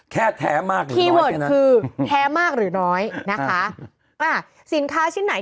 แค่แท้มากหรือน้อยเท่านั้น